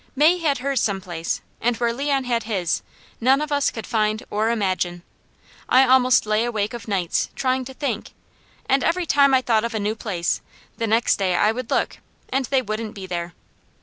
May had hers some place, and where Leon had his, none of us could find or imagine. I almost lay awake of nights trying to think, and every time I thought of a new place, the next day I would look, and they wouldn't be there.